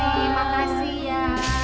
terima kasih ya